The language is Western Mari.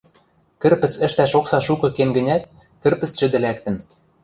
Кӹрпӹц ӹштӓш окса шукы кен гӹнят, кӹрпӹц чӹдӹ лӓктӹн.